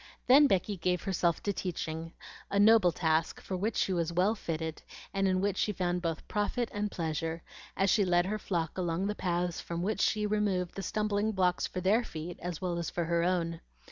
Then Becky gave herself to teaching, a noble task, for which she was well fitted, and in which she found both profit and pleasure, as she led her flock along the paths from which she removed the stumbling blocks for their feet, as well as for her own.